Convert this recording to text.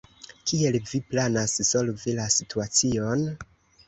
Kiel vi planas solvi la situacion?